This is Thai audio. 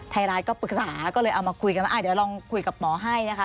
ไทยรัฐก็ปรึกษาก็เลยเอามาคุยกันว่าเดี๋ยวลองคุยกับหมอให้นะคะ